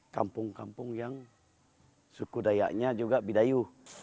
kampung kampung yang suku dayaknya juga bidayu